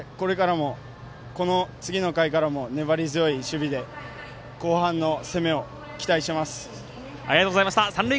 次の回からも粘り強い守備で後半の攻めを期待しています。